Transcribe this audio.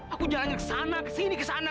aku jalannya ke sana ke sini ke sana